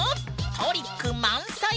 トリック満載！